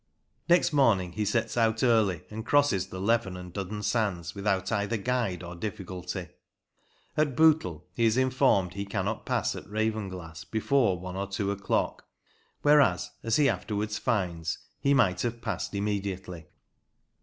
Next morning he sets out early, and crosses the Leven and Duddon sands without either guide or difficulty. At Bootle he is informed he cannot pass at Ravenglass before one or two o'clock, whereas, as he afterwards finds, he might have passed immediately.